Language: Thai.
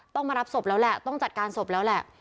ต้องมารับศพแล้วแหละต้องจัดการศพแล้วแหละ